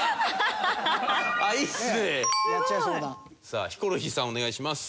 さあヒコロヒーさんお願いします。